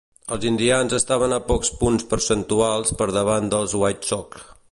Els Indians estaven a pocs punts percentuals per davant dels White Sox.